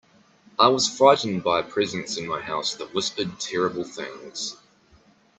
I was frightened by a presence in my house that whispered terrible things.